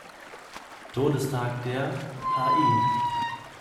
Todestages der Hl.